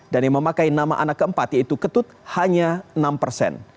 dan yang memakai nama anak keempat yaitu ketut hanya enam persen